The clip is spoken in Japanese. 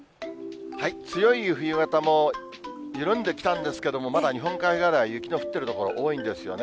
強い冬型も緩んできたんですけども、まだ日本海側では雪の降ってる所、多いんですよね。